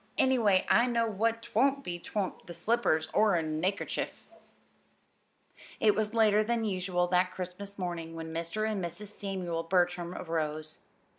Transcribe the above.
Anyway, I know what 'twon't be 'twon't be slippers or a neckerchief!" It was later than usual that Christmas morning when Mr. and Mrs. Samuel Bertram arose.